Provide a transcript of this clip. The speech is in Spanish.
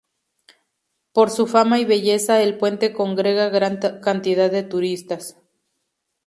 Por su fama y belleza, el puente congrega gran cantidad de turistas.